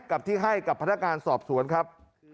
กับที่ให้กับพนักงานสอบสวนครับ